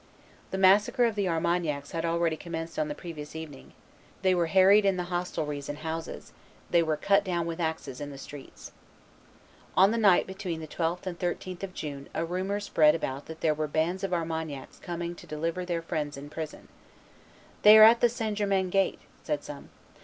The massacre of the Armagnacs had already commenced on the previous evening: they were harried in the hostelries and houses; they were cut down with axes in the streets. On the night between the 12th and 13th of June a rumor spread about that there were bands of Armagnacs coming to deliver their friends in prison. "They are at the St. Germain gate," said some.